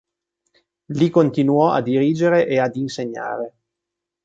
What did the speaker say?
Lì continuò a dirigere e ad insegnare.